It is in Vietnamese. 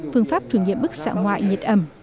phương pháp thử nghiệm bức xạ ngoại nhiệt ẩm